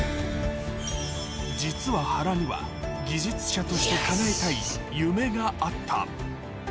実は原には、技術者としてかなえたい夢があった。